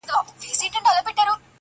که نه څنګه دي زده کړې دا خبري؛